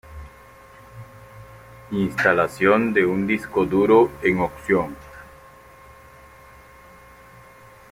Instalación de un disco duro en opción.